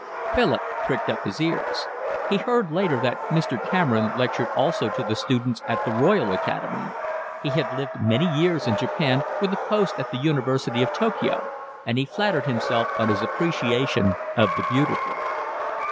Philip pricked up his ears. He heard later that Mr. Cameron lectured also to the students at the Royal Academy. He had lived many years in Japan, with a post at the University of Tokyo, and he flattered himself on his appreciation of the beautiful.